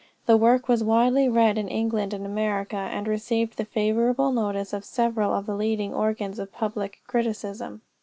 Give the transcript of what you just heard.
The work was widely read in England and America, and received the favorable notice of several of the leading organs of public criticism.